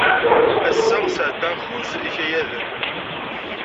Ass-a, sɛeddaɣ kuẓ n yikayaden.